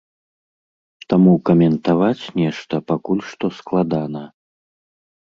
Таму каментаваць нешта пакуль што складана.